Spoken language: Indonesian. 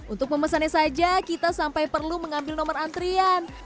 untuk memesannya saja kita sampai perlu mengambil nomor antrian